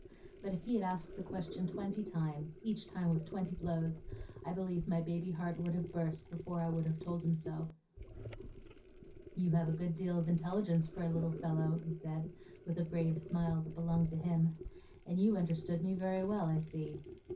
But if he had asked the question twenty times, each time with twenty blows, I believe my baby heart would have burst before I would have told him so. 'You have a good deal of intelligence for a little fellow,' he said, with a grave smile that belonged to him, 'and you understood me very well, I see.